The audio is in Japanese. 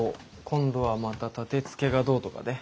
今度はまた立てつけがどうとかで。